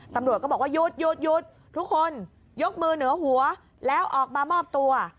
ตำรวจก็บอกว่าหยุดหยุดทุกคนยกมือเหนือหัวแล้วออกมามอบตัว